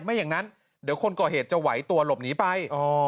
ไม่อย่างนั้นเดี๋ยวคนก่อเหตุจะไหวตัวหลบหนีไป